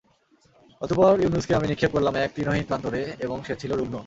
অতঃপর ইউনুসকে আমি নিক্ষেপ করলাম এক তৃণহীন প্রান্তরে এবং সে ছিল রুগ্ন।